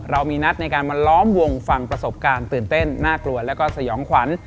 เรามีนัดในการมาล้อมวงฟังประสบการณ์ตื่นเต้นน่ากลัวแล้วก็สยองขวัญ